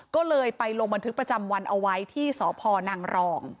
ก็เลยไปลงบันทึกประจำวันเอาไว้ที่สพนังรอง